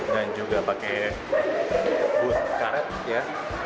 dan juga pakai boot karet ya